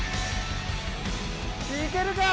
行けるか？